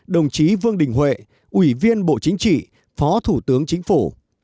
một mươi hai đồng chí vương đình huệ ủy viên bộ chính trị phó thủ tướng chính phủ